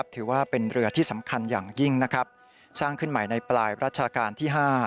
ถือว่าเป็นเรือที่สำคัญอย่างยิ่งสร้างขึ้นใหม่ในปลายรัชกาลที่๕